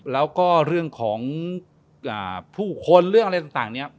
แล้วก็เรื่องของผู้คนเรื่องอะไรต่างเนี่ย